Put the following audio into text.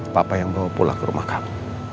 papa yang bawa pulang ke rumah kamu